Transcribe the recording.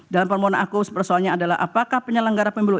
dalam permohonan akus persoalannya adalah apakah penyelenggara pemilu